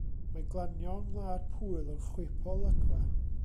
Mae glanio yng ngwlad Pwyl yn chwip o olygfa.